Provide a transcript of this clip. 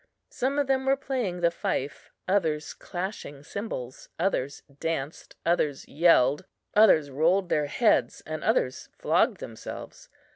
Some of them were playing the fife, others clashing cymbals, others danced, others yelled, others rolled their heads, and others flogged themselves.